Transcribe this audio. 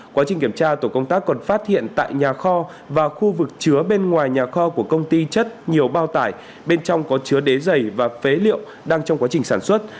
quá trình kiểm tra tổ công tác còn phát hiện tại nhà kho và khu vực chứa bên ngoài nhà kho của công ty chất nhiều bao tải bên trong có chứa đế dày và phế liệu đang trong quá trình sản xuất